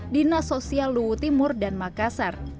dinas sosial luhut timur dan makassar